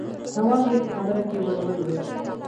تواب يې په خبره کې ور ولوېد: